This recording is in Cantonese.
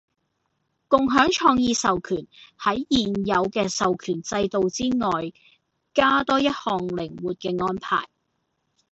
共享創意授權喺現有嘅授權制度之外加多一項靈活嘅安排